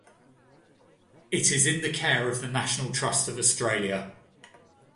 It is in the care of the National Trust of Australia.